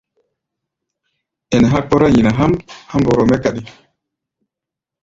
Ɛnɛ há̧ kpɔ́rá nyina há̧ʼm há̧ mbɔrɔ mɛ́ kaɗi.